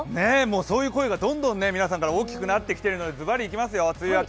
そういう声がどんどん皆さんから大きくなってますので、ズバリいきますよ。